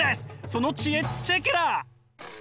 その知恵チェケラ！